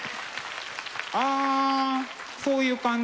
あそういう感じ？